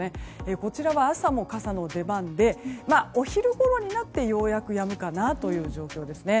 こちらは朝も傘の出番でお昼ごろになってようやくやむかなという状況ですね。